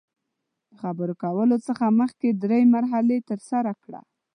د خبرو کولو څخه مخکې درې مرحلې ترسره کړه.